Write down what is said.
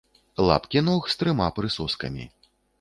Лапкі ног з трыма прысоскамі.